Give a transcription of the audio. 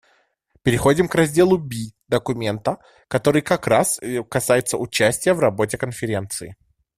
Переходим к разделу В документа, который как раз касается участия в работе Конференции.